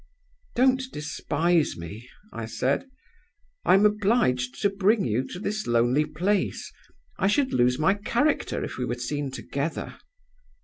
"'Don't despise me,' I said. 'I am obliged to bring you to this lonely place; I should lose my character if we were seen together.